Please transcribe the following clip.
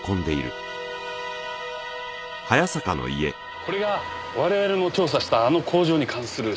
これが我々の調査したあの工場に関する資料です。